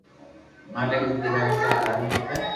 مالڪ ري ڪيدا رستہ تو ھالوُ کپي